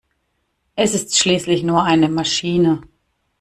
Es ist schließlich nur eine Maschine!